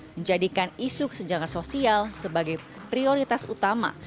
menjadikan isu kesenjangan sosial sebagai prioritas utama